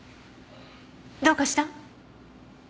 どうかした？